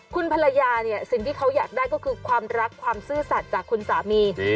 คุณภรรยาเนี่ยสิ่งที่เขาอยากได้ก็คือความรักความซื่อสัตว์จากคุณสามี